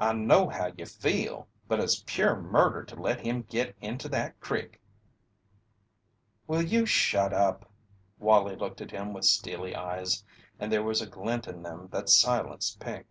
"I know how you feel, but it's pure murder to let him git into that crick." "Will you shut up?" Wallie looked at him with steely eyes, and there was a glint in them that silenced Pink.